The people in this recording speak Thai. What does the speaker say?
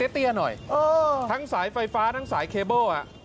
เตี้ยหน่อยทั้งสายไฟฟ้าทั้งสายเคเบิ้ล